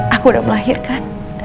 aku udah melahirkan